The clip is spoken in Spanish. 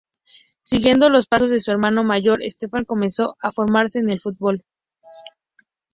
Siguiendo los pasos de su hermano mayor Stefan, comenzó a formarse en el fútbol.